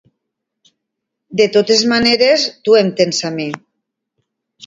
De totes maneres, tu em tens a mi.